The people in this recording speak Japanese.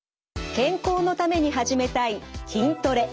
健康のために始めたい筋トレ。